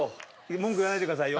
文句言わないでくださいよ。